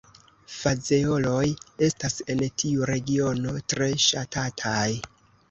Fazeoloj estas en tiu regiono tre ŝatataj.